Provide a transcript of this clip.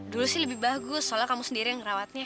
dulu sih lebih bagus soalnya kamu sendiri yang ngerawatnya